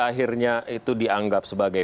akhirnya itu dianggap sebagai